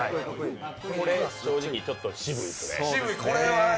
正直ちょっと渋いですね。